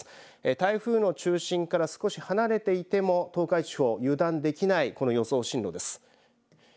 台風の中心から少し離れていても東海地方油断できない予想進路です。